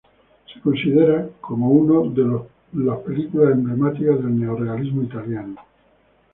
Se considera como una de las películas emblemáticas del neorrealismo italiano.